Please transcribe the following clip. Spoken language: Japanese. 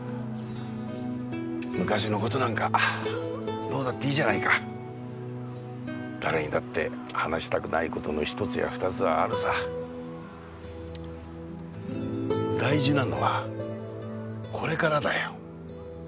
昔のことなんかどうだっていいじゃないか誰にだって話したくないことの１つや２つ大事なのはこれからだよ